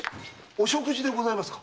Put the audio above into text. お食事でございますか？